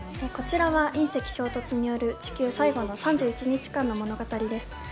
こちらは隕石衝突による地球最後の３１日間の物語です。